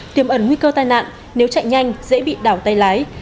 tiềm ẩn nguy cơ tai nạn nếu chạy nhanh dễ bị đảo tay lái